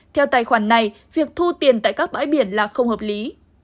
theo tài khoản này việc thu tiền tại các bãi biển là không hợp lý